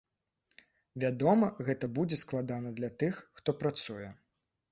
Вядома, гэта будзе складана для тых, хто працуе.